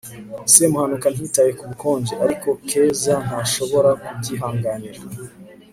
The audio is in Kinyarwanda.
semuhanuka ntiyitaye ku bukonje, ariko keza ntashobora kubyihanganira